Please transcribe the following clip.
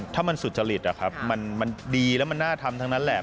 ถ้ามันสุจริตมันดีแล้วมันน่าทำทั้งนั้นแหละ